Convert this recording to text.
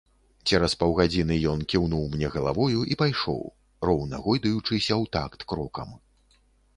Цераз паўгадзіны ён кіўнуў мне галавою і пайшоў, роўна гойдаючыся ў такт крокам.